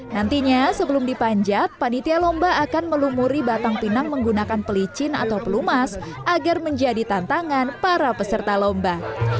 nantinya sebelum dipanjat panitia lomba akan melumuri batang pinang menggunakan pelicin atau pelumas agar menjadi tantangan para peserta lomba